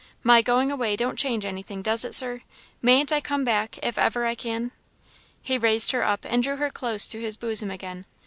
"My going away don't change anything, does it, Sir? Mayn't I come back, if ever I can?" He raised her up and drew her close to his bosom again.